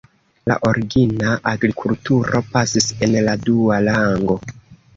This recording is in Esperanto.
La origina agrikulturo pasis en la dua rango.